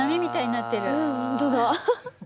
うん本当だ。